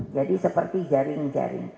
jadi seperti jaring jaring